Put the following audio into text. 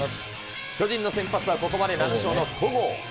巨人の先発はここまで７勝の戸郷。